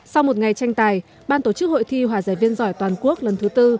sau một ngày tranh tài ban tổ chức hội thi hòa giải viên giỏi toàn quốc lần thứ tư